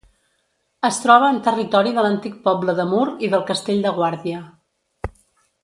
Es troba en territori de l'antic poble de Mur i del Castell de Guàrdia.